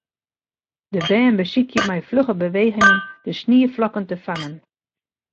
De bern besykje mei flugge bewegingen de snieflokken te fangen.